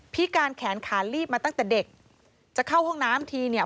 การแขนขาลีบมาตั้งแต่เด็กจะเข้าห้องน้ำทีเนี่ย